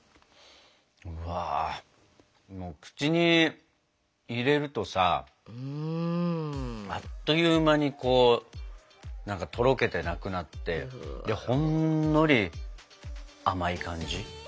うわ口に入れるとさあっという間にとろけてなくなってほんのり甘い感じ。